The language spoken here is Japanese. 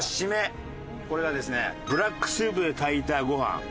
これがですねブラックスープで炊いたご飯。